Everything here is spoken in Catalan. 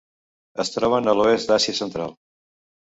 Es troben a l'oest d'Àsia central.